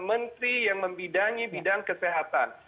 menteri yang membidangi bidang kesehatan